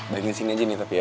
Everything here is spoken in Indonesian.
bagian sini aja nih tapi ya